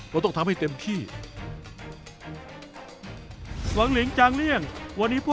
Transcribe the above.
จัดต้องกันก่อนนะเพราะเราต้องจัดจานและเตรียมเสิร์ฟแล้ว